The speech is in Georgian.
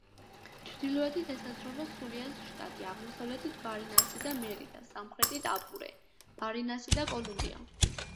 ჩრდილოეთით ესაზღვრება სულიას შტატი, აღმოსავლეთით ბარინასი და მერიდა, სამხრეთით აპურე, ბარინასი და კოლუმბია.